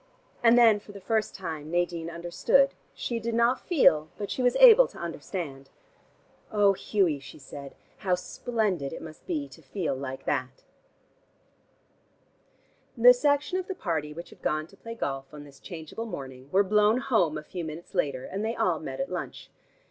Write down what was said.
And then for the first time, Nadine understood. She did not feel, but she was able to understand. "Oh, Hughie," she said, "how splendid it must be to feel like that!" The section of the party which had gone to play golf on this changeable morning, were blown home a few minutes later, and they all met at lunch.